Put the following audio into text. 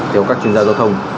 theo các chuyên gia giao thông